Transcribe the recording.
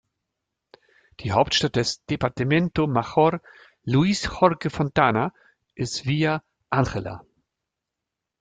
Die Hauptstadt des Departamento Mayor Luis Jorge Fontana ist Villa Ángela.